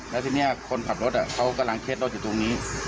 แล้วทีนี้คนขับรถเขากำลังเคล็ดรถอยู่ตรงนี้